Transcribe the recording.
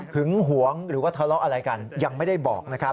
หึงหวงหรือว่าทะเลาะอะไรกันยังไม่ได้บอก